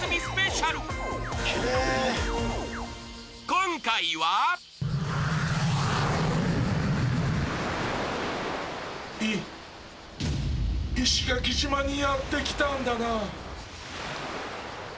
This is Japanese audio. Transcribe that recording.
今回はい石垣島にやってきたんだな。